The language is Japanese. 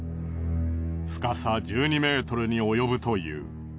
深さ１２メートルに及ぶという。